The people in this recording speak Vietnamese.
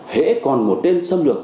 hễ còn một tên xâm lược